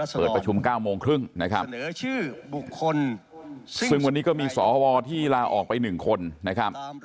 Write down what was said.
เปิดประชุม๙โมงครึ่งนะครับเสนอชื่อบุคคลซึ่งวันนี้ก็มีสวที่ลาออกไป๑คนนะครับ